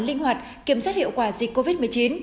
linh hoạt kiểm soát hiệu quả dịch covid một mươi chín